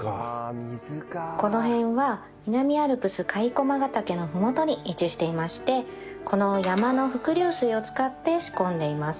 この辺は南アルプス甲斐駒ヶ岳のふもとに位置していましてこの山の伏流水を使って仕込んでいます。